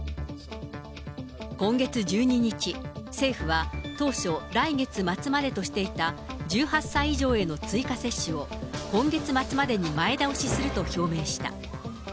今月１２日、政府は当初、来月末までとしていた１８歳以上への追加接種を今月末までに前倒しすると表明した。